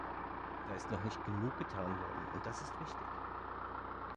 Da ist noch nicht genug getan worden, und das ist wichtig.